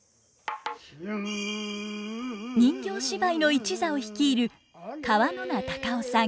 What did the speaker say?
人形芝居の一座を率いる川野名孝雄さん。